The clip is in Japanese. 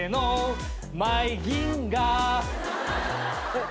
えっ？